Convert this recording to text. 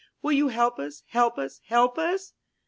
Will you help us, help us, help us?